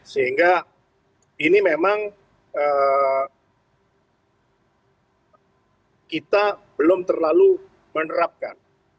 sehingga ini memang kita belum terlalu menerapkan